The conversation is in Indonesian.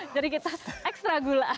jadi kita extra gula